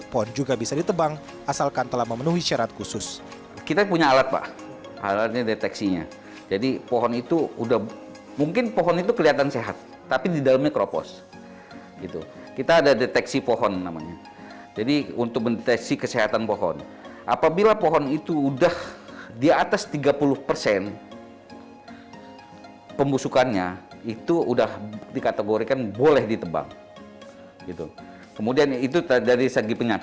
pohon juga bisa ditebang asalkan telah memenuhi syarat khusus